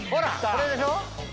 これでしょ。